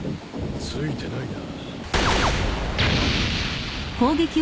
ついてないな